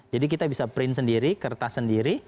jadi kita bisa print sendiri kertas sendiri